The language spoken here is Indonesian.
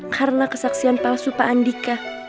karena kesaksian palsu pak andika